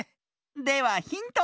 ではヒント。